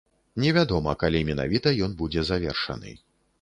Невядома, калі менавіта ён будзе завершаны.